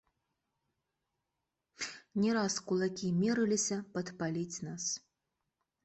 Не раз кулакі мерыліся падпаліць нас.